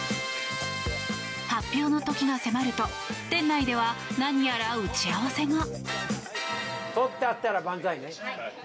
発表の時が迫ると店内では何やら打ち合わせが。